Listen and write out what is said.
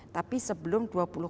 tapi sebelum dua puluh